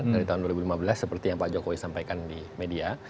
dari tahun dua ribu lima belas seperti yang pak jokowi sampaikan di media